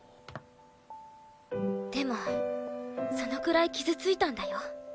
でもそのくらい傷ついたんだよ。